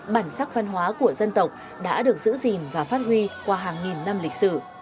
bản sắc văn hóa của dân tộc đã được giữ gìn và phát huy qua hàng nghìn năm lịch sử